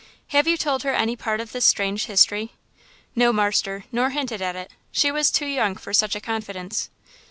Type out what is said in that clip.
"Have you told her any part of this strange history?" "No, marster, nor hinted at it; she was too young for such a confidence."